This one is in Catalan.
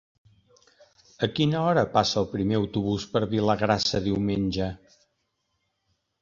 A quina hora passa el primer autobús per Vilagrassa diumenge?